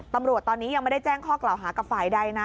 ตำรวจตอนนี้ยังไม่ได้แจ้งข้อกล่าวหากับฝ่ายใดนะ